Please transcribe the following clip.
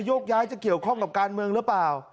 ยกย้ายจะเกี่ยวข้องกับการเมืองหรือเปล่า